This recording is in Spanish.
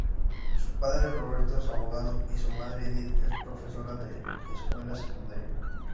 Su padre Roberto es abogado y su madre Edit es profesora de escuela secundaria.